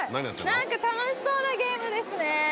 何か楽しそうなゲームですね。